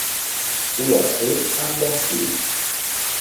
Ho ha fet amb bon fi.